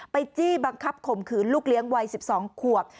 จี้บังคับข่มขืนลูกเลี้ยงวัย๑๒ขวบ